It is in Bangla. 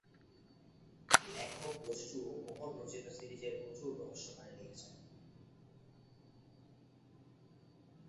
লেখক দস্যু মোহন রচিত সিরিজের প্রচুর রহস্য কাহিনী লিখেছিলেন।